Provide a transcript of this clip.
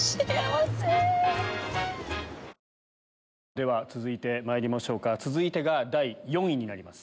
では続いてまいりましょうか続いてが第４位になります。